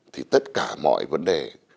thì tất cả mọi vấn đề